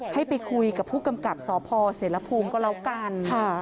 ให้ไปคุยกับผู้กำกับสพเสรภูมิก็แล้วกัน